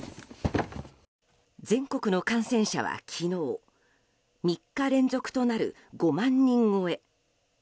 全国の感染者は昨日３日連続となる５万人超え。